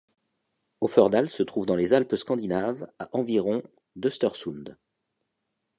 Offerdal se trouve dans les Alpes scandinaves, à environ d'Östersund.